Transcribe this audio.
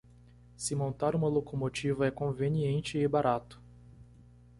Se montar uma locomotiva é conveniente e barato